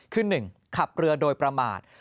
คือหนึ่งขับเรือโดยประมาท